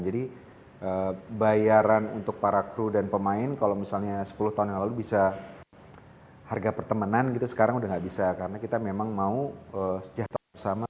jadi bayaran untuk para crew dan pemain kalau misalnya sepuluh tahun yang lalu bisa harga pertemanan sekarang udah gak bisa karena kita memang mau sejahtera bersama